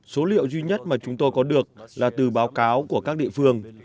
số liệu duy nhất mà chúng tôi có được là từ báo cáo của các địa phương